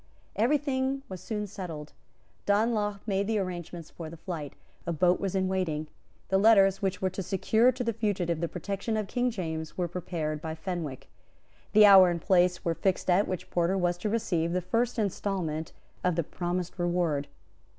Every thing was soon settled. Donelagh made the arrangements for the flight. A boat was in waiting. The letters which were to secure to the fugitive the protection of King James were prepared by Fenwick. The hour and place were fixed at which Porter was to receive the first instalment of the promised reward.